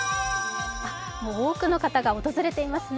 多くの方が訪れていますね。